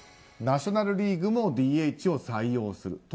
ナショナル・リーグもＤＨを採用する。